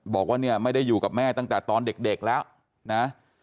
บอกว่าเนี่ยไม่ได้อยู่กับแม่ตั้งแต่ตอนเด็กแล้วนะ